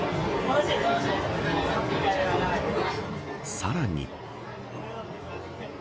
さらに。